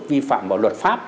vi phạm vào luật pháp